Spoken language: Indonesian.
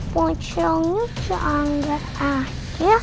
pocongnya seangat aja